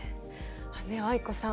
ねえ藍子さん